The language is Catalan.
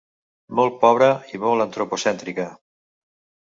Molt pobra i molt antropocèntrica.